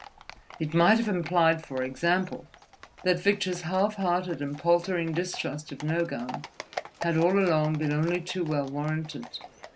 It might have implied, for example, that Victor's half hearted and paltering distrust of Nogam had all along been only too well warranted.